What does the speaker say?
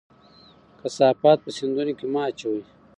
کثافات په سیندونو کې مه اچوئ.